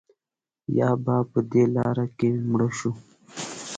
یا به په دې لاره کې مړه شو.